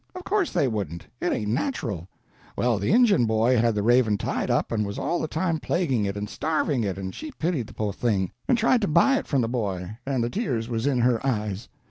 Of course they wouldn't; it ain't natural. Well, the Injun boy had the raven tied up, and was all the time plaguing it and starving it, and she pitied the po' thing, and tried to buy it from the boy, and the tears was in her eyes.